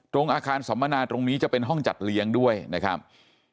ตรงอาคารสัมมนาตรงนี้จะเป็นห้องจัดเลี้ยงด้วยนะครับ